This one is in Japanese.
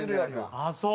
ああそう。